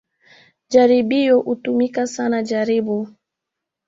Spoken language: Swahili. "Jaribio, hutumika sana jaribu"